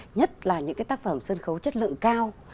nhất là những cái tác phẩm sân khấu chất lượng cao